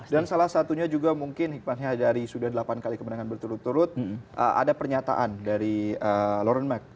dan salah satunya juga mungkin hikmahnya dari sudah delapan kali kemenangan berturut turut ada pernyataan dari loren mack